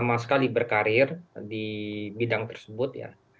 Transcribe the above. lama sekali berkarir di bidang tersebut ya